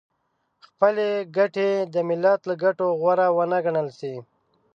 خپلې ګټې د ملت له ګټو غوره ونه ګڼل شي .